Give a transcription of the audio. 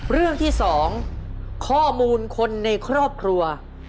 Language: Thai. เรื่องที่๒ข้อมูลคนในครอบครัว